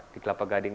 di kelapa gading